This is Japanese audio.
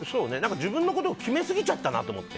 自分のことを決めすぎちゃったなと思って。